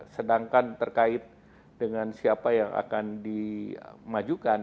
sedangkan terkait dengan siapa yang akan dimajukan